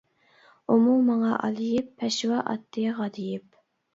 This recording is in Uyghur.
ئۇمۇ ماڭا ئالىيىپ پەشۋا ئاتتى غادىيىپ.